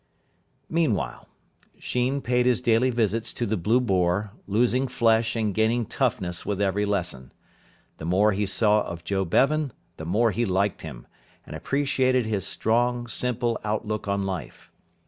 Meanwhile, Sheen paid his daily visits to the "Blue Boar," losing flesh and gaining toughness with every lesson. The more he saw of Joe Bevan the more he liked him, and appreciated his strong, simple outlook on life.